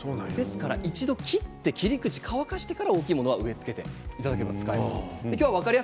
一度切って切り口を乾かしてから大きいものは植え付けていただければ使えます。